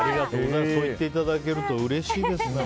そう言っていただけるとうれしいです。